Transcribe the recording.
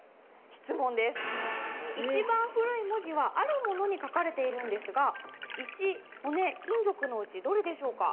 一番古い文字はあるものに書かれているんですが石骨金属のうちどれでしょうか？